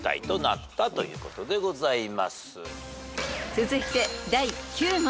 ［続いて第９問］